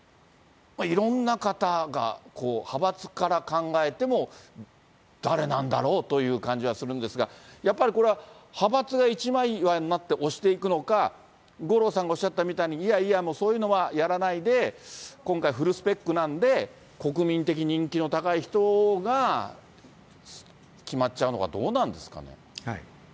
いろんな方がこう、派閥から考えても誰なんだろうという感じはするんですが、やっぱりこれは、派閥が一枚岩になって推していくのか、五郎さんがおっしゃったみたいに、いやいや、そういうのはやらないで、今回、フルスペックなんで国民的人気の高い人が決まっちゃうのか、どうなんですかね。